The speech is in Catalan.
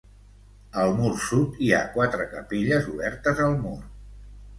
Al mur sud, hi ha quatre capelles obertes al mur.